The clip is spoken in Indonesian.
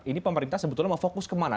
ini pemerintah sebetulnya mau fokus kemana